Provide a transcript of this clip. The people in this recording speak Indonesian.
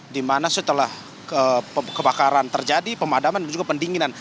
di mana setelah kebakaran terjadi pemadaman dan juga pendinginan